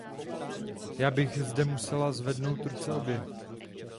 Já bych zde musela zvednout ruce obě.